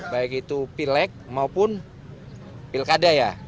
baik itu pileg maupun pilkada ya